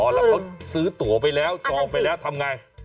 แล้วเขาซื้อตัวไปแล้วจองไปแล้วทำไง